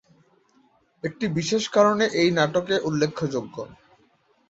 একটি বিশেষ কারণে এই নাটকে উল্লেখযোগ্য।